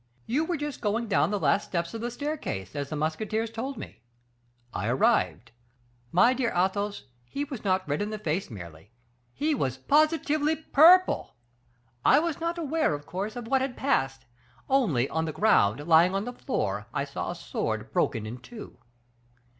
"You were just going down the last steps of the staircase, as the musketeers told me. I arrived. My dear Athos, he was not red in the face merely, he was positively purple. I was not aware, of course, of what had passed; only, on the ground, lying on the floor, I saw a sword broken in two."